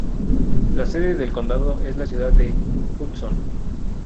La sede del condado es la ciudad de Hudson.